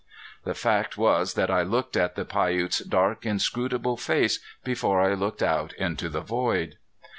The fact was that I looked at the Piute's dark, inscrutable face before I looked out into the void.